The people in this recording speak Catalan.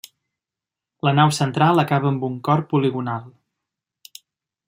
La nau central acaba amb un cor poligonal.